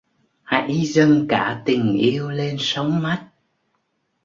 Hãy dâng cả tình yêu lên sóng mắt!